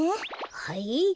はい？